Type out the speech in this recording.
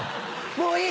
もういい。